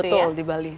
betul di bali